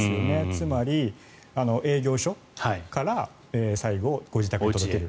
つまり、営業所から最後、ご自宅へ届ける。